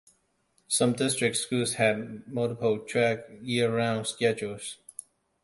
Some district schools had multiple-track, year-round schedules.